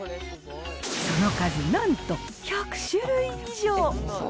その数なんと１００種類以上。